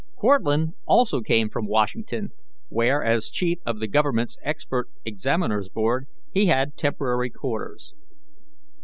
Cortlandt also came from Washington, where, as chief of the Government's Expert Examiners Board, he had temporary quarters.